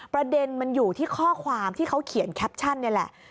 ประเด็นมันอยู่ที่ข้อความที่เขาเขียนแคปชั่นนี่แหละ